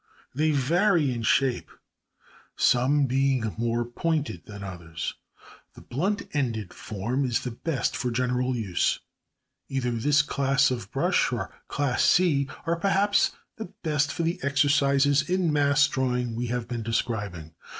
They vary in shape, some being more pointed than others. The blunt ended form is the best for general use. Either this class of brush or Class C are perhaps the best for the exercises in mass drawing we have been describing.